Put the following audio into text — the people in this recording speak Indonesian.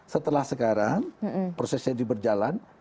setelah sekarang prosesnya diberjalan